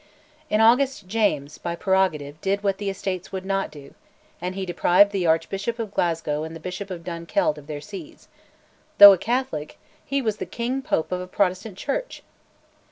In August James, by prerogative, did what the Estates would not do, and he deprived the Archbishop of Glasgow and the Bishop of Dunkeld of their Sees: though a Catholic, he was the king pope of a Protestant church!